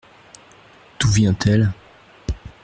D’où vient-elle ?